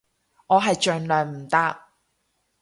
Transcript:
我係盡量唔搭